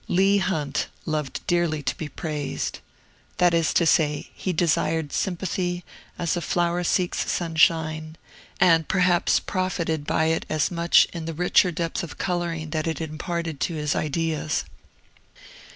Leigh Hunt loved dearly to be praised. That is to say, he desired sympathy as a flower seeks sunshine, and perhaps profited by it as much in the richer depth of coloring that it imparted to his ideas.